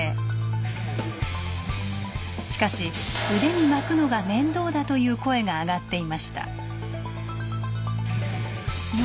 しかし腕に巻くのが面倒だという声が上がっていました。